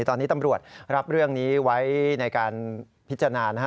ตอนนี้ตำรวจรับเรื่องนี้ไว้ในการพิจารณานะฮะ